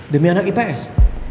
demi anak ips